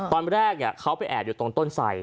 ตอนแรกเขาไปแอบอยู่ตรงต้นไส